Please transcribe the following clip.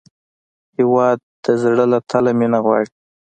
هېواد د زړه له تله مینه غواړي.